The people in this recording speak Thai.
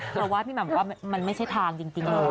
ผมก็ว่าพี่หม่ำว่ามันมันไม่ใช่ทางจริงเหรอ